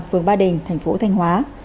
phường ba đình thành phố thanh hóa